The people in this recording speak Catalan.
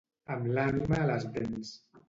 Amb l'ànima a les dents.